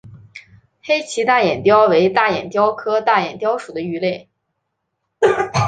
黑鳍大眼鲷为大眼鲷科大眼鲷属的鱼类。